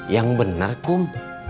yang benar kum